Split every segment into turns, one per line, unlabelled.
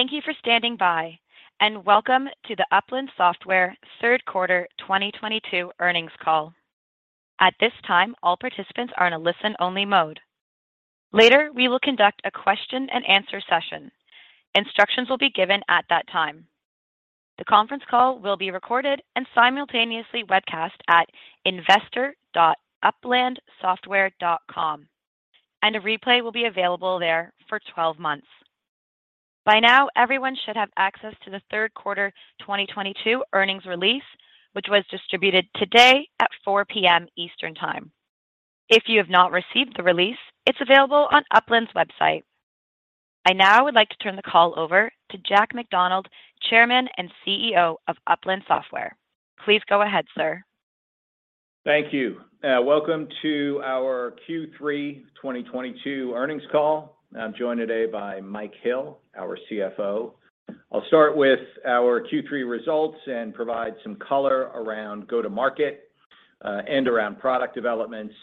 Thank you for standing by and welcome to the Upland Software third quarter 2022 earnings call. At this time, all participants are in a listen-only mode. Later, we will conduct a question-and-answer session. Instructions will be given at that time. The conference call will be recorded and simultaneously webcast at investor.uplandsoftware.com, and a replay will be available there for 12 months. By now, everyone should have access to the third quarter 2022 earnings release, which was distributed today at 4:00 P.M. Eastern Time. If you have not received the release, it's available on Upland's website. I now would like to turn the call over to Jack McDonald, Chairman and CEO of Upland Software. Please go ahead, sir.
Thank you. Welcome to our Q3 2022 earnings call. I'm joined today by Mike Hill, our CFO. I'll start with our Q3 results and provide some color around go-to-market, and around product developments.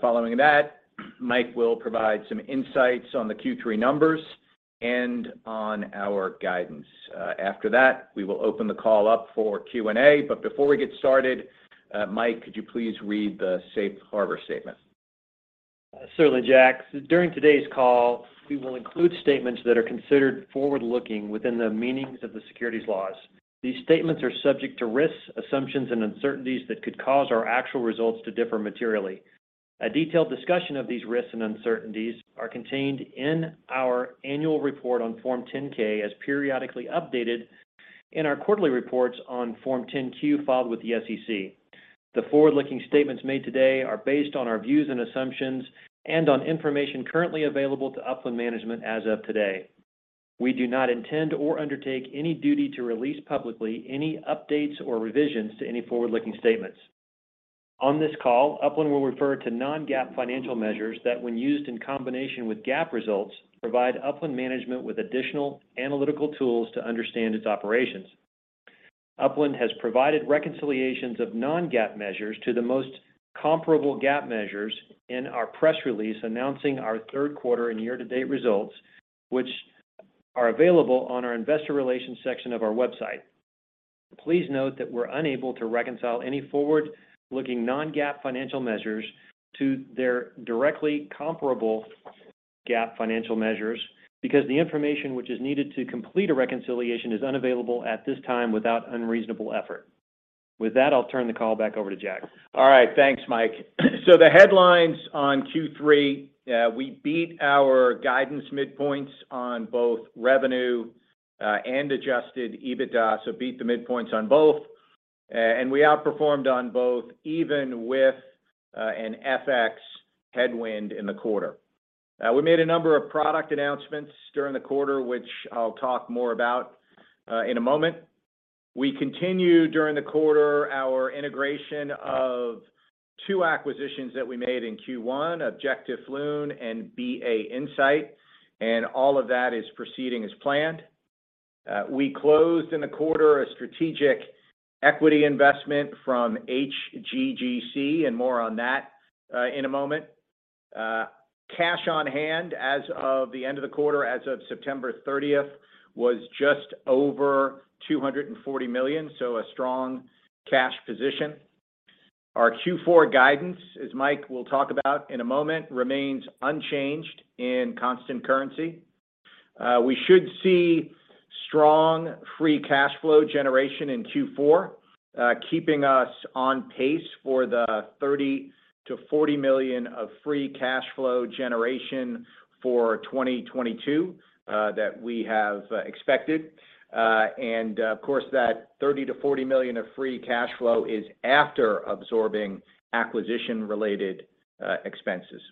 Following that, Mike will provide some insights on the Q3 numbers and on our guidance. After that, we will open the call up for Q&A. Before we get started, Mike, could you please read the safe harbor statement?
Certainly, Jack. During today's call, we will include statements that are considered forward-looking within the meanings of the securities laws. These statements are subject to risks, assumptions, and uncertainties that could cause our actual results to differ materially. A detailed discussion of these risks and uncertainties are contained in our annual report on Form 10-K as periodically updated in our quarterly reports on Form 10-Q filed with the SEC. The forward-looking statements made today are based on our views and assumptions and on information currently available to Upland management as of today. We do not intend or undertake any duty to release publicly any updates or revisions to any forward-looking statements. On this call, Upland will refer to non-GAAP financial measures that, when used in combination with GAAP results, provide Upland management with additional analytical tools to understand its operations. Upland has provided reconciliations of non-GAAP measures to the most comparable GAAP measures in our press release announcing our third quarter and year-to-date results, which are available on our investor relations section of our website. Please note that we're unable to reconcile any forward-looking non-GAAP financial measures to their directly comparable GAAP financial measures because the information which is needed to complete a reconciliation is unavailable at this time without unreasonable effort. With that, I'll turn the call back over to Jack.
All right. Thanks, Mike. The headlines on Q3, we beat our guidance midpoints on both revenue and adjusted EBITDA, beat the midpoints on both. We outperformed on both even with an FX headwind in the quarter. We made a number of product announcements during the quarter, which I'll talk more about in a moment. We continued during the quarter our integration of two acquisitions that we made in Q1, Objectif Lune and BA Insight, and all of that is proceeding as planned. We closed in the quarter a strategic equity investment from HGGC, and more on that in a moment. Cash on hand as of the end of the quarter, as of September 30th, was just over $240 million, so a strong cash position. Our Q4 guidance, as Mike will talk about in a moment, remains unchanged in constant currency. We should see strong free cash flow generation in Q4, keeping us on pace for the $30 million-$40 million of free cash flow generation for 2022, that we have expected. That $30 million-$40 million of free cash flow is after absorbing acquisition-related expenses.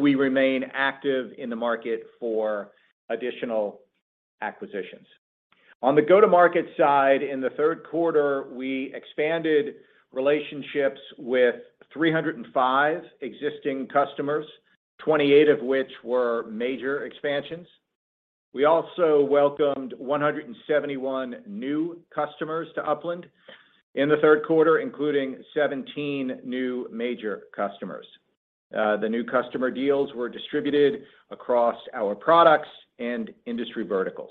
We remain active in the market for additional acquisitions. On the go-to-market side, in the third quarter, we expanded relationships with 305 existing customers, 28 of which were major expansions. We also welcomed 171 new customers to Upland in the third quarter, including 17 new major customers. The new customer deals were distributed across our products and industry verticals.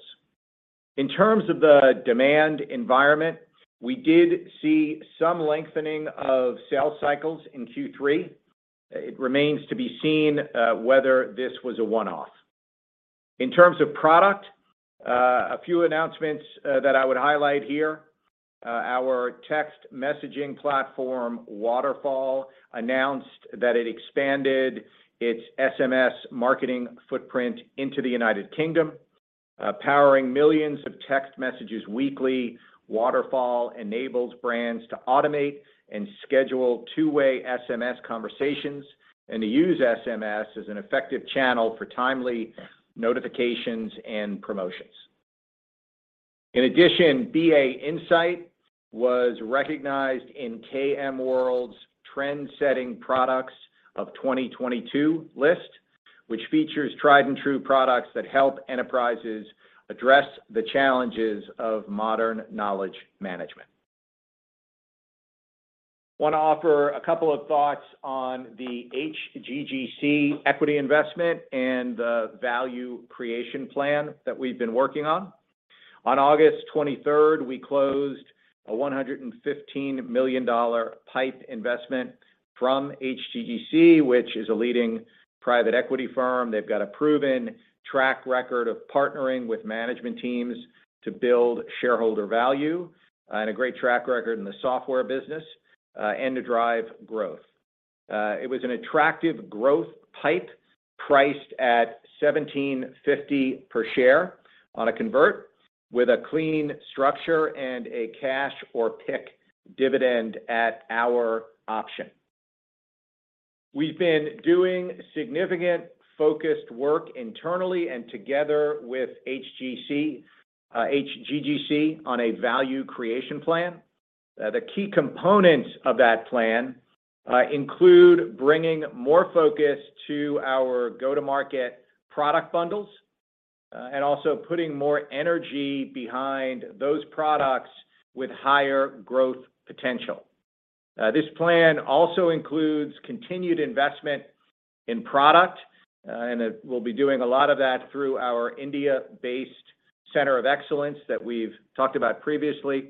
In terms of the demand environment, we did see some lengthening of sales cycles in Q3. It remains to be seen whether this was a one-off. In terms of product, a few announcements that I would highlight here. Our text messaging platform, Waterfall, announced that it expanded its SMS marketing footprint into the United Kingdom. Powering millions of text messages weekly, Waterfall enables brands to automate and schedule two-way SMS conversations and to use SMS as an effective channel for timely notifications and promotions. In addition, BA Insight was recognized in KMWorld's Trend-Setting Products of 2022 list, which features tried and true products that help enterprises address the challenges of modern knowledge management. Want to offer a couple of thoughts on the HGGC equity investment and the value creation plan that we've been working on. On August twenty-third, we closed a $115 million PIPE investment from HGGC, which is a leading private equity firm. They've got a proven track record of partnering with management teams to build shareholder value, and a great track record in the software business, and to drive growth. It was an attractive growth PIPE priced at $17.50 per share on a convert with a clean structure and a cash or PIK dividend at our option. We've been doing significant focused work internally and together with HGGC on a value creation plan. The key components of that plan include bringing more focus to our go-to-market product bundles, and also putting more energy behind those products with higher growth potential. This plan also includes continued investment in product, and we'll be doing a lot of that through our India-based center of excellence that we've talked about previously,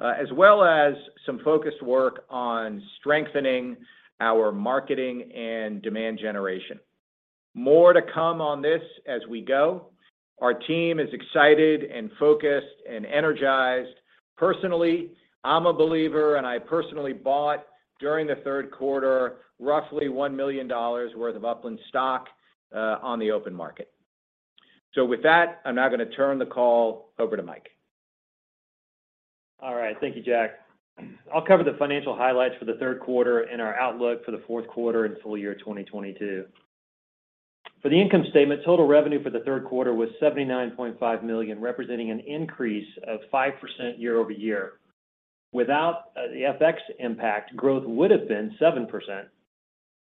as well as some focused work on strengthening our marketing and demand generation. More to come on this as we go. Our team is excited and focused and energized. Personally, I'm a believer, and I personally bought during the third quarter roughly $1 million worth of Upland stock, on the open market. With that, I'm now gonna turn the call over to Mike.
All right. Thank you, Jack. I'll cover the financial highlights for the third quarter and our outlook for the fourth quarter and full year 2022. For the income statement, total revenue for the third quarter was $79.5 million, representing an increase of 5% year-over-year. Without the FX impact, growth would have been 7%.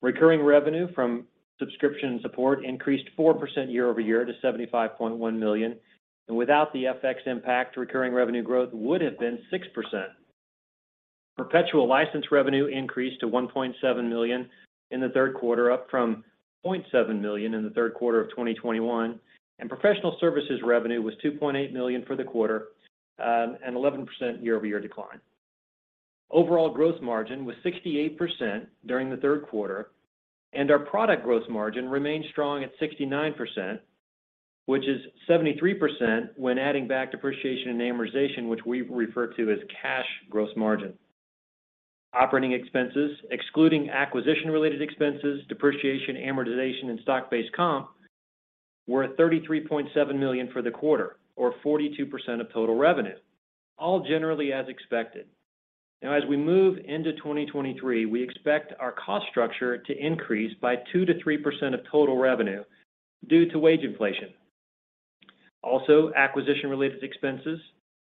Recurring revenue from subscription support increased 4% year-over-year to $75.1 million. Without the FX impact, recurring revenue growth would have been 6%. Perpetual license revenue increased to $1.7 million in the third quarter, up from $0.7 million in the third quarter of 2021. Professional services revenue was $2.8 million for the quarter, an 11% year-over-year decline. Overall gross margin was 68% during the third quarter, and our product gross margin remained strong at 69%, which is 73% when adding back depreciation and amortization, which we refer to as cash gross margin. Operating expenses, excluding acquisition-related expenses, depreciation, amortization, and stock-based comp, were $33.7 million for the quarter or 42% of total revenue, all generally as expected. Now as we move into 2023, we expect our cost structure to increase by 2%-3% of total revenue due to wage inflation. Also, acquisition-related expenses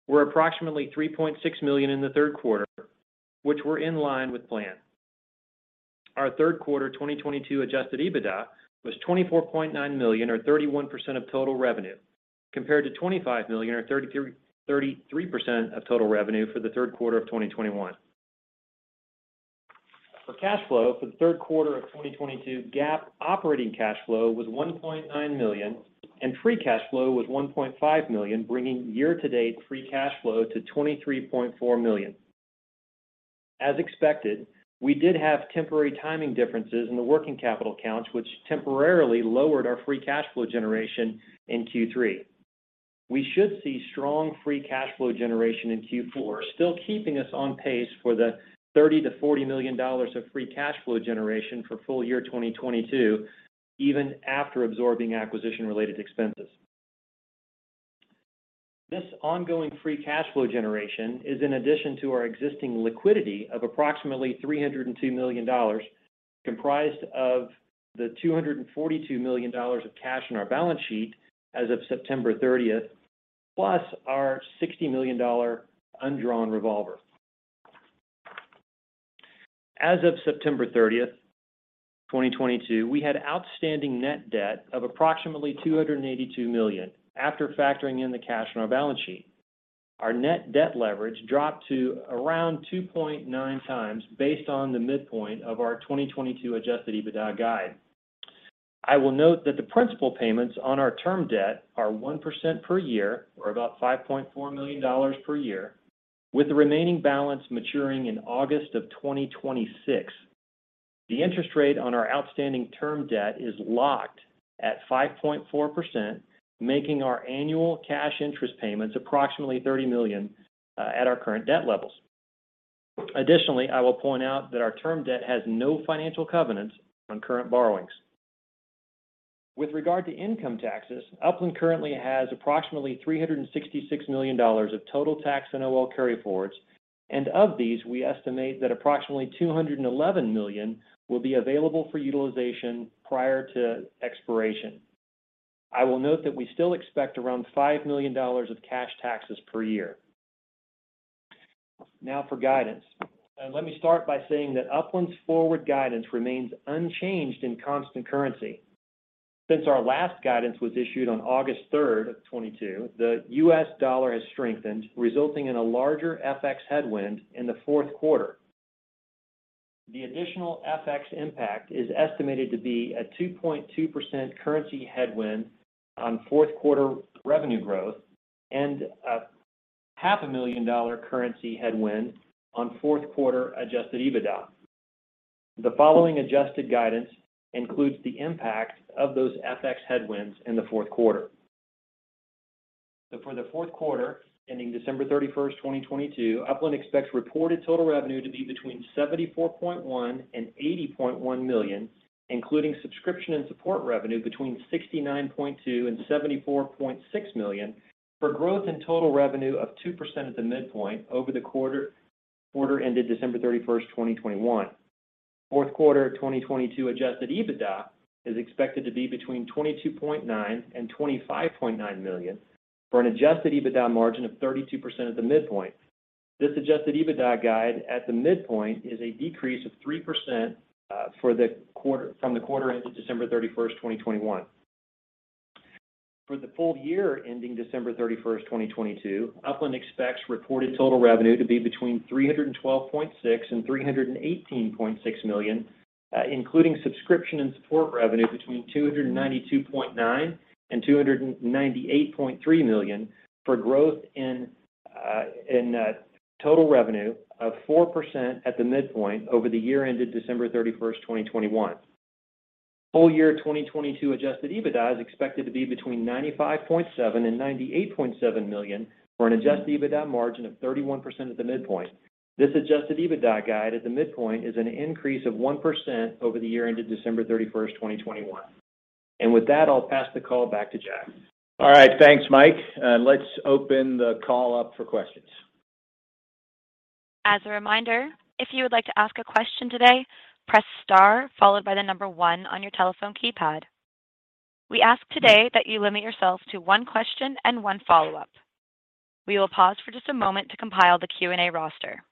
were approximately $3.6 million in the third quarter, which were in line with plan. Our third quarter 2022 adjusted EBITDA was $24.9 million or 31% of total revenue, compared to $25 million or 33% of total revenue for the third quarter of 2021. For cash flow for the third quarter of 2022, GAAP operating cash flow was $1.9 million, and free cash flow was $1.5 million, bringing year-to-date free cash flow to $23.4 million. As expected, we did have temporary timing differences in the working capital counts, which temporarily lowered our free cash flow generation in Q3. We should see strong free cash flow generation in Q4, still keeping us on pace for the $30 million-$40 million of free cash flow generation for full year 2022, even after absorbing acquisition-related expenses. This ongoing free cash flow generation is in addition to our existing liquidity of approximately $302 million, comprised of the $242 million of cash on our balance sheet as of September 30, plus our $60 million undrawn revolver. As of September 30, 2022, we had outstanding net debt of approximately $282 million after factoring in the cash on our balance sheet. Our net debt leverage dropped to around 2.9x based on the midpoint of our 2022 adjusted EBITDA guide. I will note that the principal payments on our term debt are 1% per year, or about $5.4 million per year, with the remaining balance maturing in August of 2026. The interest rate on our outstanding term debt is locked at 5.4%, making our annual cash interest payments approximately $30 million at our current debt levels. Additionally, I will point out that our term debt has no financial covenants on current borrowings. With regard to income taxes, Upland currently has approximately $366 million of total tax NOL carryforwards, and of these, we estimate that approximately $211 million will be available for utilization prior to expiration. I will note that we still expect around $5 million of cash taxes per year. Now for guidance. Let me start by saying that Upland's forward guidance remains unchanged in constant currency. Since our last guidance was issued on August third of 2022, the U.S. dollar has strengthened, resulting in a larger FX headwind in the fourth quarter. The additional FX impact is estimated to be a 2.2% currency headwind on fourth quarter revenue growth and a $500,000 currency headwind on fourth quarter adjusted EBITDA. The following adjusted guidance includes the impact of those FX headwinds in the fourth quarter. For the fourth quarter ending December 31, 2022, Upland expects reported total revenue to be between $74.1 million and $80.1 million, including subscription and support revenue between $69.2 million and $74.6 million, for growth in total revenue of 2% at the midpoint over the quarter ended December 31, 2021. Fourth quarter of 2022 Adjusted EBITDA is expected to be between $22.9 million and $25.9 million for an Adjusted EBITDA margin of 32% at the midpoint. This Adjusted EBITDA guide at the midpoint is a decrease of 3% for the quarter from the quarter ended December 31, 2021. For the full year ending December 31, 2022, Upland expects reported total revenue to be between $312.6 million and $318.6 million, including subscription and support revenue between $292.9 million and $298.3 million for growth in total revenue of 4% at the midpoint over the year ended December 31, 2021. Full year 2022 Adjusted EBITDA is expected to be between $95.7 million and $98.7 million for an Adjusted EBITDA margin of 31% at the midpoint. This Adjusted EBITDA guide at the midpoint is an increase of 1% over the year ended December 31, 2021. With that, I'll pass the call back to Jack.
All right. Thanks, Mike. Let's open the call up for questions.
As a reminder, if you would like to ask a question today, press star followed by the number one on your telephone keypad. We ask today that you limit yourself to one question and one follow-up. We will pause for just a moment to compile the Q&A roster.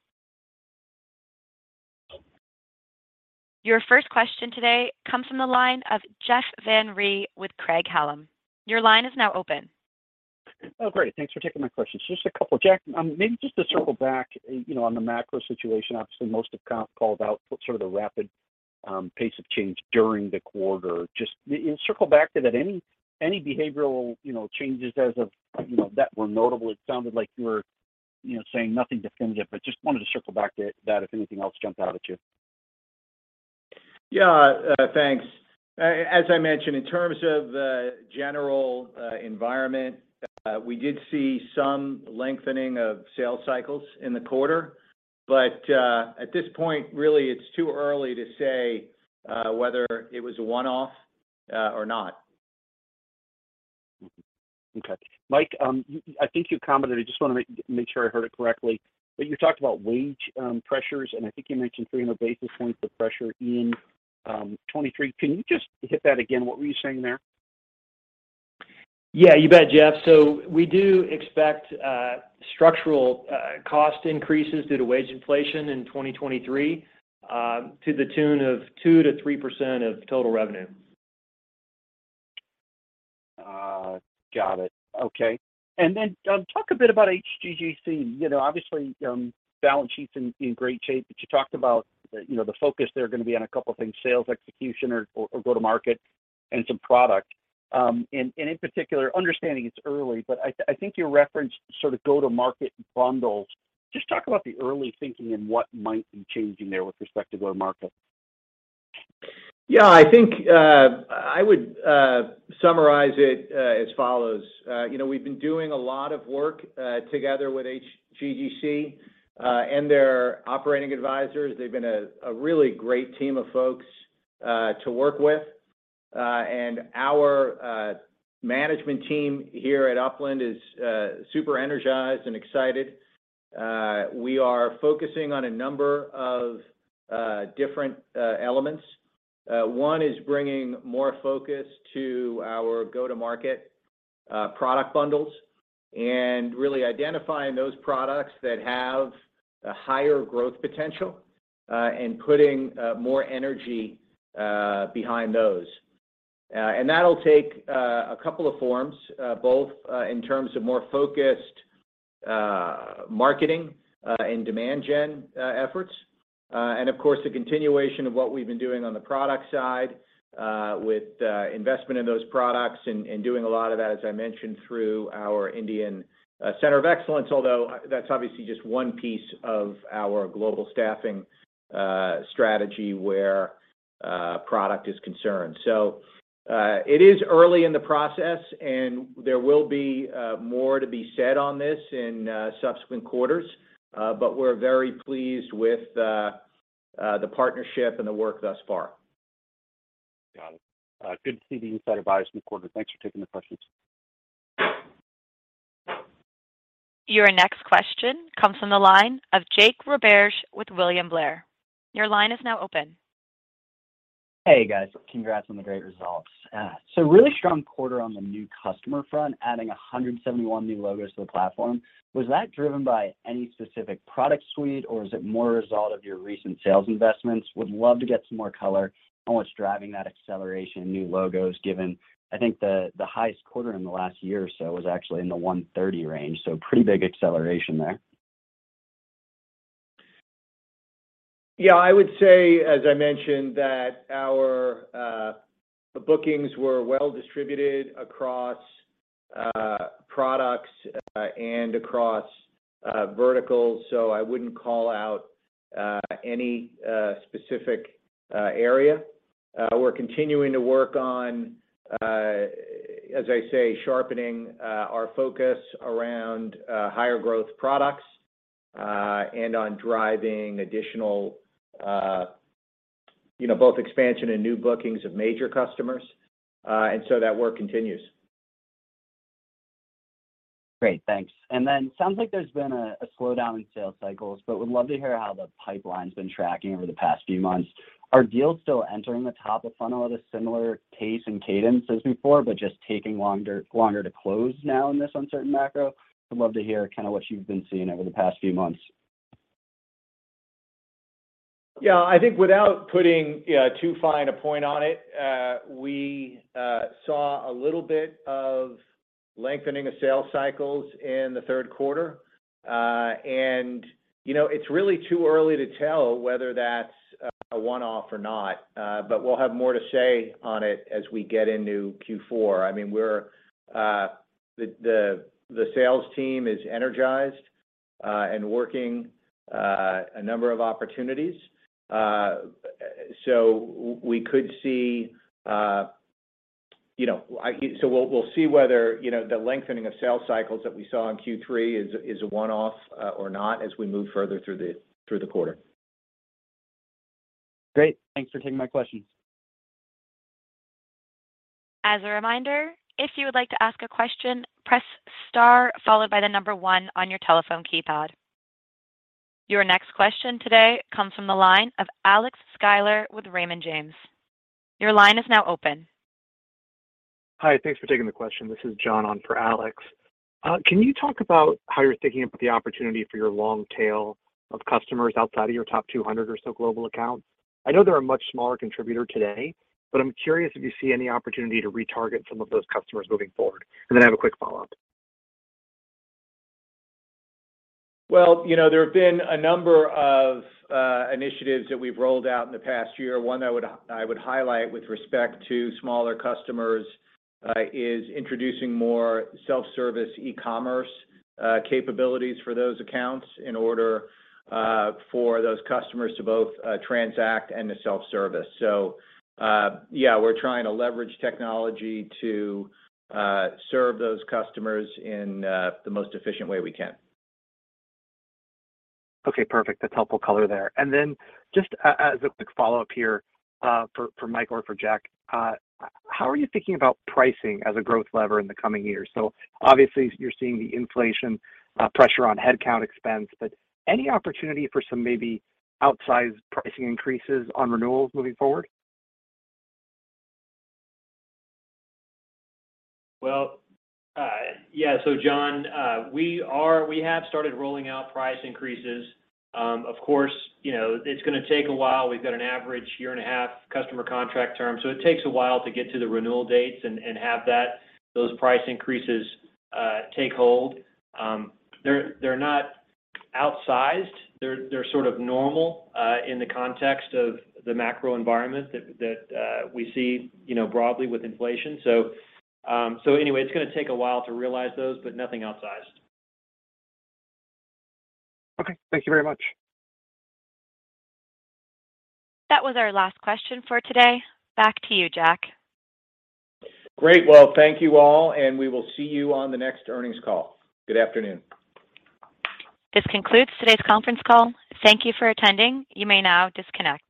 Your first question today comes from the line of Jeff Van Rhee with Craig-Hallum. Your line is now open.
Oh, great. Thanks for taking my questions. Just a couple. Jack, maybe just to circle back, you know, on the macro situation. Obviously, most of the conference call called out sort of the rapid pace of change during the quarter. Just you know, circle back to that. Any behavioral, you know, changes as of, you know, that were notable? It sounded like you were, you know, saying nothing definitive, but just wanted to circle back to that if anything else jumped out at you.
Thanks. As I mentioned, in terms of the general environment, we did see some lengthening of sales cycles in the quarter. At this point, really, it's too early to say whether it was a one-off or not.
Okay. Mike, I think you commented, I just wanna make sure I heard it correctly, but you talked about wage pressures, and I think you mentioned 300 basis points of pressure in 2023. Can you just hit that again? What were you saying there?
Yeah. You bet, Jeff. We do expect structural cost increases due to wage inflation in 2023 to the tune of 2%-3% of total revenue.
Got it. Okay. Talk a bit about HGGC. You know, obviously, balance sheet's in great shape, but you talked about, you know, the focus there are gonna be on a couple things, sales execution or go-to-market and some product. In particular, understanding it's early, but I think you referenced sort of go-to-market bundles. Just talk about the early thinking and what might be changing there with respect to go-to-market.
Yeah. I think I would summarize it as follows. You know, we've been doing a lot of work together with HGGC and their operating advisors. They've been a really great team of folks to work with. Our management team here at Upland is super energized and excited. We are focusing on a number of different elements. One is bringing more focus to our go-to-market product bundles and really identifying those products that have a higher growth potential and putting more energy behind those. That'll take a couple of forms, both in terms of more focused marketing and demand gen efforts, and of course, the continuation of what we've been doing on the product side, with investment in those products and doing a lot of that, as I mentioned, through our Indian center of excellence, although that's obviously just one piece of our global staffing strategy where product is concerned. It is early in the process, and there will be more to be said on this in subsequent quarters. We're very pleased with the partnership and the work thus far.
Got it. Good to see the BA Insight in the quarter. Thanks for taking the questions.
Your next question comes from the line of Jake Roberge with William Blair. Your line is now open.
Hey guys, congrats on the great results. Really strong quarter on the new customer front, adding 171 new logos to the platform. Was that driven by any specific product suite, or is it more a result of your recent sales investments? Would love to get some more color on what's driving that acceleration in new logos, given I think the highest quarter in the last year or so was actually in the 130 range, so pretty big acceleration there.
Yeah, I would say, as I mentioned, that our bookings were well distributed across products and across verticals, so I wouldn't call out any specific area. We're continuing to work on, as I say, sharpening our focus around higher growth products and on driving additional, you know, both expansion and new bookings of major customers. That work continues.
Great. Thanks. sounds like there's been a slowdown in sales cycles, but would love to hear how the pipeline's been tracking over the past few months. Are deals still entering the top of funnel at a similar pace and cadence as before, but just taking longer to close now in this uncertain macro? I'd love to hear kinda what you've been seeing over the past few months.
Yeah. I think without putting too fine a point on it, we saw a little bit of lengthening of sales cycles in the third quarter. You know, it's really too early to tell whether that's a one-off or not. We'll have more to say on it as we get into Q4. I mean, the sales team is energized and working a number of opportunities. We'll see whether, you know, the lengthening of sales cycles that we saw in Q3 is a one-off or not as we move further through the quarter.
Great. Thanks for taking my questions.
As a reminder, if you would like to ask a question, press star followed by the number one on your telephone keypad. Your next question today comes from the line of Alexander Sklar with Raymond James. Your line is now open.
Hi. Thanks for taking the question. This is John on for Alex. Can you talk about how you're thinking about the opportunity for your long tail of customers outside of your top 200 or so global accounts? I know they're a much smaller contributor today, but I'm curious if you see any opportunity to retarget some of those customers moving forward. I have a quick follow-up.
Well, you know, there have been a number of initiatives that we've rolled out in the past year. One I would highlight with respect to smaller customers is introducing more self-service e-commerce capabilities for those accounts in order for those customers to both transact and to self-service. We're trying to leverage technology to serve those customers in the most efficient way we can.
Okay, perfect. That's helpful color there. Just as a quick follow-up here, for Mike or Jack, how are you thinking about pricing as a growth lever in the coming years? Obviously you're seeing the inflation pressure on headcount expense, but any opportunity for some maybe outsized pricing increases on renewals moving forward?
Well, yeah. John, we have started rolling out price increases. Of course, you know, it's gonna take a while. We've got an average year and a half customer contract term, so it takes a while to get to the renewal dates and have those price increases take hold. They're not outsized. They're sort of normal in the context of the macro environment that we see, you know, broadly with inflation. Anyway, it's gonna take a while to realize those, but nothing outsized.
Okay. Thank you very much.
That was our last question for today. Back to you, Jack.
Great. Well, thank you, all, and we will see you on the next earnings call. Good afternoon.
This concludes today's conference call. Thank you for attending. You may now disconnect.